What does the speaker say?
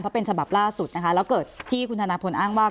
เพราะเป็นฉบับล่าสุดนะคะแล้วเกิดที่คุณธนพลอ้างว่า